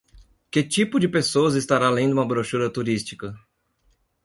Que tipo de pessoas estará lendo uma brochura turística?